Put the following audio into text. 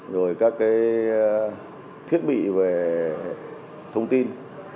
rồi các cái thiết bị về thông tin